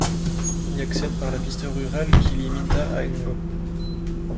On y accède par la piste rurale qui lie Minta à Ngo'o.